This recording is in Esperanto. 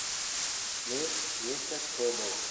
"Ne, mi estas homo."